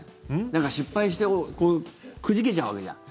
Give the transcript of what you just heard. なんか失敗してくじけちゃうわけじゃん。